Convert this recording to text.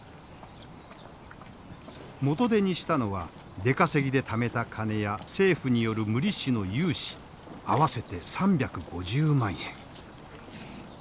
元手にしたのは出稼ぎでためた金や政府による無利子の融資合わせて３５０万円。